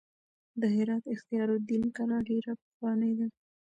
د هرات اختیار الدین کلا ډېره پخوانۍ ده.